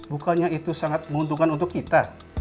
bukannya itu sangat menguntungkan untuk kita